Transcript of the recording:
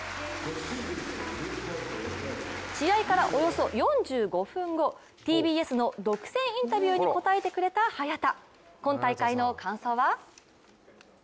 試合からおよそ４５分後、ＴＢＳの独占インタビューに応えてくれた早田。